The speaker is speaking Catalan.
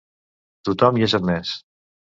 Tothom hi és admès.